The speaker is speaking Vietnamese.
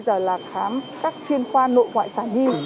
bây giờ là khám các chuyên khoa nội ngoại sản hư